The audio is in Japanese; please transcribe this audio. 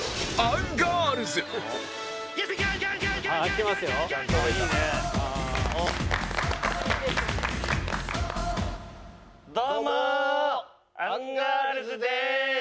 アンガールズです！